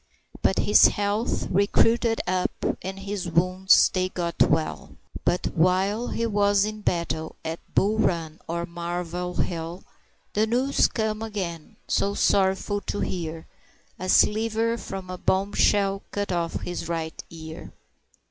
But his health recruited up, and his wounds they got well; But while he was in battle at Bull Run or Malvern Hill, The news come again, so sorrowful to hear "A sliver from a bombshell cut off his right ear."